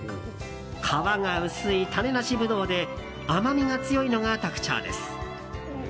皮が薄い種なしブドウで甘みが強いのが特徴です。